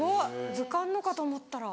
図鑑のかと思ったら。